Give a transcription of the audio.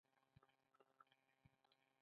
د ډاؤ ميديکل کالج کراچۍ کښې